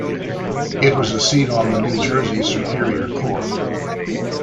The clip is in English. It was a seat on the New Jersey Superior Court.